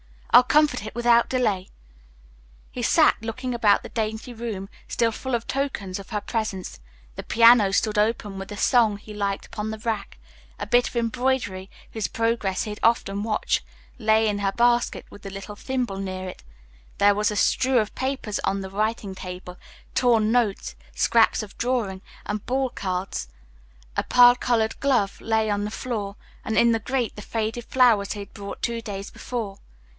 I'll comfort it without delay." He sat looking about the dainty room still full of tokens of her presence. The piano stood open with a song he liked upon the rack; a bit of embroidery, whose progress he had often watched, lay in her basket with the little thimble near it; there was a strew of papers on the writing table, torn notes, scraps of drawing, and ball cards; a pearl colored glove lay on the floor; and in the grate the faded flowers he had brought two days before.